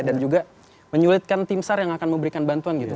dan juga menyulitkan tim sar yang akan memberikan bantuan gitu